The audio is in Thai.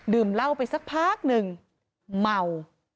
เหล้าไปสักพักหนึ่งเมา